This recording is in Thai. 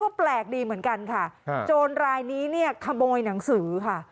ก็แปลกดีเหมือนกันค่ะโจรรายนี้เนี่ยขโมยหนังสือค่ะ